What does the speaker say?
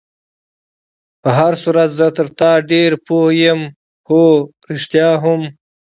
په هر صورت زه تر تا ډېر پوه یم، هو، رښتیا هم.